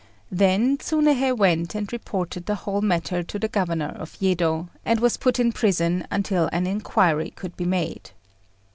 Then Tsunéhei went and reported the whole matter to the Governor of Yedo, and was put in prison until an inquiry could be made.